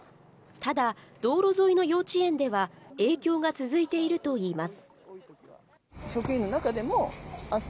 ただ道路沿いの幼稚園では影響が続いているといいます。